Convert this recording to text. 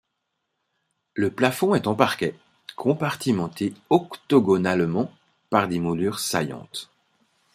Le plafond est en parquet, compartimenté octogonalement par des moulures saillantes.